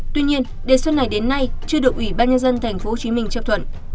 tuy nhiên đề xuất này đến nay chưa được ủy ban nhân dân tp hcm chấp thuận